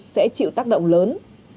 sẽ chịu tác động lớn